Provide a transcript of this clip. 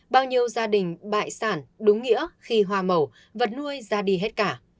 bao nhiêu gia đình bại sản đúng nghĩa khi hoa màu vật nuôi ra đi hết cả